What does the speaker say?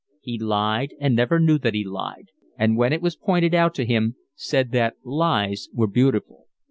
He lied and never knew that he lied, and when it was pointed out to him said that lies were beautiful.